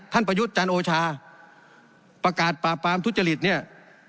ท่านประยุทธ์จานโอชาประกาศปาปามทุจริตเนี้ย